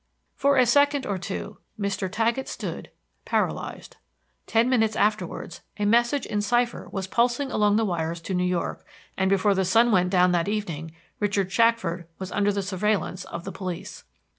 For a second or two Mr. Taggett stood paralyzed. Ten minutes afterwards a message in cipher was pulsing along the wires to New York, and before the sun went down that evening Richard Shackford was under the surveillance of the police.